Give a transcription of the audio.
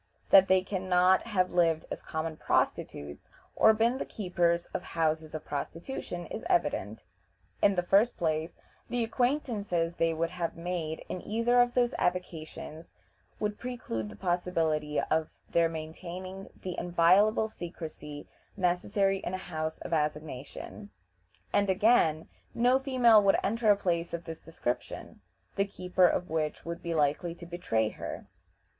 That they can not have lived as common prostitutes, or been the keepers of houses of prostitution, is evident. In the first place, the acquaintances they would have made in either of those avocations would preclude the possibility of their maintaining the inviolable secrecy necessary in a house of assignation; and, again, no female would enter a place of this description, the keeper of which would be likely to betray her.